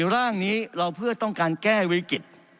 ร่างนี้เราเพื่อต้องการแก้วิกฤต